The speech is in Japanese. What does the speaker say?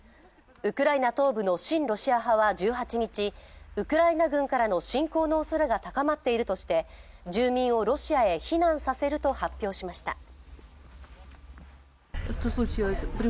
ウクライナ東部の親ロシア派は１８日、ウクライナ軍からの侵攻のおそれが高まっているとして住民をロシアへ避難させると発表しました。